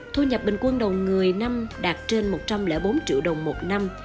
thu nhập bình quân đầu người năm đạt trên một trăm linh bốn triệu đồng một năm